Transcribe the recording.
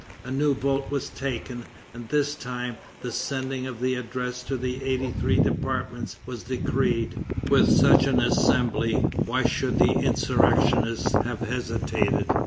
A new vote was taken, and this time, the sending of the address to the eighty three departments was decreed. With such an Assembly, why should the insurrectionists have hesitated?